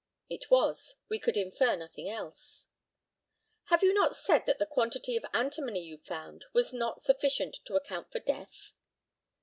It was. We could infer nothing else. Have you not said that the quantity of antimony you found was not sufficient to account for death?